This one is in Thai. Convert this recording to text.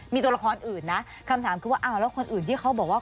มีตัวละครอื่นนะคำถามคือว่าอ้าวแล้วคนอื่นที่เขาบอกว่า